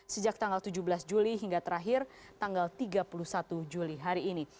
sejak tanggal tujuh belas juli hingga terakhir tanggal tiga puluh satu juli hari ini